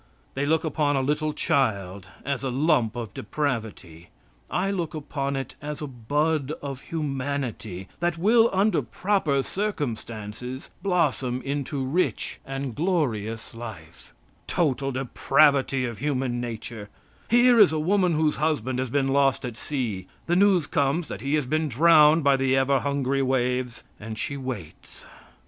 They look upon a little child as a lump of depravity. I look upon it as a bud of humanity, that will, under proper circumstances, blossom into rich and glorious life. Total depravity of human nature! Here is a woman whose husband has been lost at sea; the news comes that he has been drowned by the ever hungry waves, and she waits.